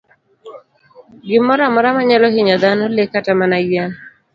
Gimoro amora manyalo hinyo dhano, le, kata mana yien.